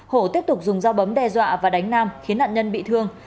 hổ tiếp tục dùng dao bấm đe dọa và đánh nam khiến nạn nhân bị thương